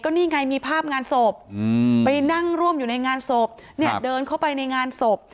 นี่ไงมีภาพงานศพไปนั่งร่วมอยู่ในงานศพเนี่ยเดินเข้าไปในงานศพ